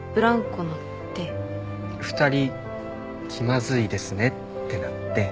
２人気まずいですねってなって。